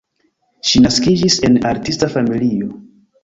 Ŝi naskiĝis en artista familio.